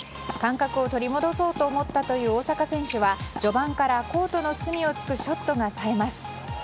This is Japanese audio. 感覚を取り戻そうと思ったという大坂選手は序盤からコートの隅を突くショットがさえます。